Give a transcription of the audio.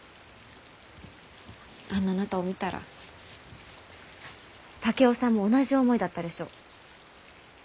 あんなあなたを見たら竹雄さんも同じ思いだったでしょう。